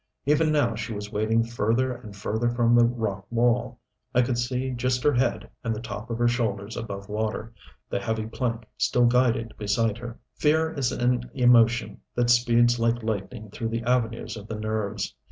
Even now she was wading further and further from the rock wall. I could see just her head and the top of her shoulders above water, the heavy plank still guided beside her. Fear is an emotion that speeds like lightning through the avenues of the nerves.